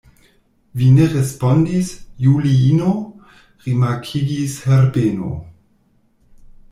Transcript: Vi ne respondis, Juliino, rimarkigis Herbeno.